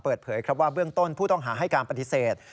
เปิดเผยครับว่าเบื้องต้นผู้ต้องหาให้การปฏิเสธ